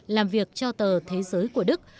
làm việc cho tờ thế giới của đức